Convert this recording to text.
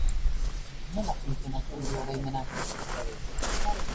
Nola funtzionatzen du oroimenak?